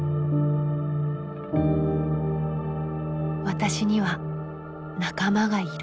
「私には仲間がいる」。